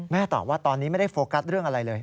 ตอบว่าตอนนี้ไม่ได้โฟกัสเรื่องอะไรเลย